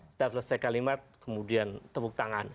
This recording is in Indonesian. setiap selesai kalimat kemudian tepuk tangan